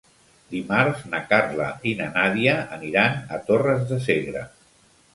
Dimarts na Carla i na Nàdia aniran a Torres de Segre.